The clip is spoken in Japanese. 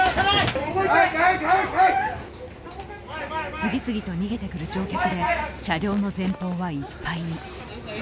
次々と逃げてくる乗客で車両の前方はいっぱいに。